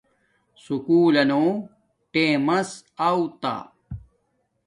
سکُول لنو ٹیمس اونتا